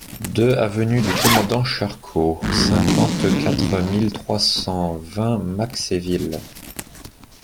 deux avenue du Commandant Charcot, cinquante-quatre mille trois cent vingt Maxéville